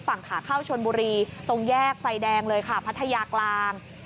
ฝั่งขาเข้าชนบุรีตรงแยกไฟแดงเลยค่ะพัทยากลาง